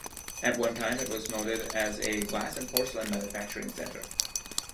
At one time it was noted as a glass and porcelain manufacturing center.